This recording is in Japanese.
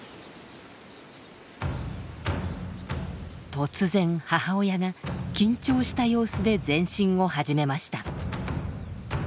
突然母親が緊張した様子で前進を始めました。